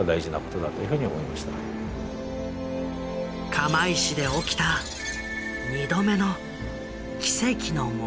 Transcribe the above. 釜石で起きた２度目の奇跡の物語。